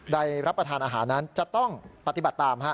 ได้รับประทานอาหารนั้นจะต้องปฏิบัติตาม